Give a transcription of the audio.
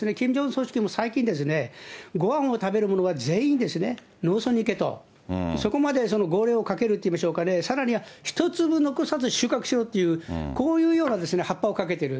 総書記も、最近ですね、ごはんを食べるものは全員農村に行けと、そこまで号令をかけるといいましょうかね、さらに一粒残さず収穫しろっていう、こういうようなハッパをかけてる。